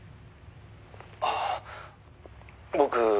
「ああ僕